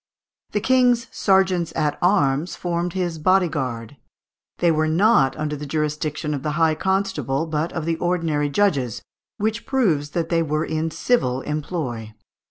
The King's sergeants at arms (Fig. 310) formed his body guard; they were not under the jurisdiction of the high constable, but of the ordinary judges, which proves that they were in civil employ.